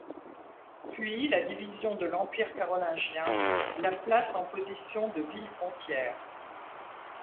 Puis la division de l'Empire carolingien la place en position de ville frontière.